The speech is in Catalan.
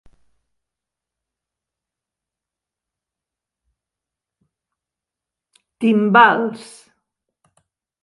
Timbals